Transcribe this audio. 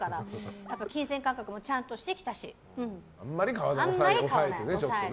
金銭感覚もちゃんとしてきたしあんまり買わない。